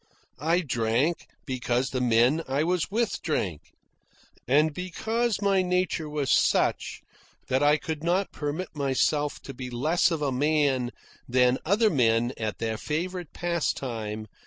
I drank because the men I was with drank, and because my nature was such that I could not permit myself to be less of a man than other men at their favourite pastime.